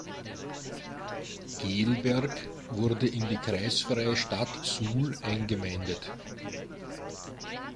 Gehlberg wurde in die kreisfreie Stadt Suhl eingemeindet.